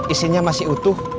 isinya masih utuh